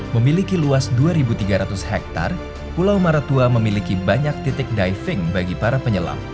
memiliki luas dua tiga ratus hektare pulau maratua memiliki banyak titik diving bagi para penyelam